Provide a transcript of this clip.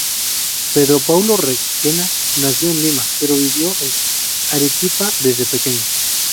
Pedro Paulo Requena nació en Lima, pero vivió en Arequipa desde pequeño.